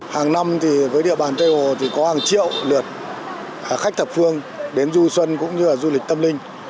hàng năm với địa bàn tây hồ có hàng triệu lượt khách thập phương đến du xuân cũng như du lịch tâm linh